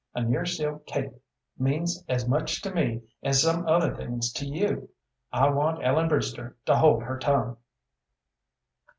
"A nearseal cape means as much to me as some other things to you. I want Ellen Brewster to hold her tongue."